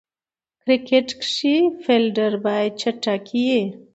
کرکټ کښي فېلډر باید چټک يي.